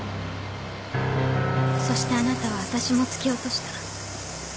そしてあなたは私も突き落とした。